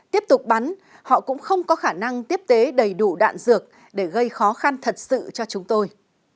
tiếp tục bắn họ cũng không có khả năng tiếp tế đầy đủ đạn dược để gây khó khăn thật sự cho chúng tôi